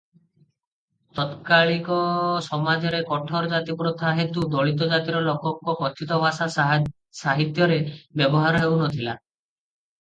ତାତ୍କାଳୀକ ସମାଜରେ କଠୋର ଜାତିପ୍ରଥା ହେତୁ ଦଳିତ ଜାତିର ଲୋକଙ୍କ କଥିତ ଭାଷା ସାହିତ୍ୟରେ ବ୍ୟବହାର ହେଉନଥିଲା ।